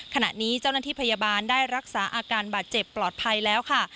ขณะนี้เจ้าหน้าที่พยาบาลได้รักษาอาการบาดเจ็บปลอดภัยแล้วค่ะ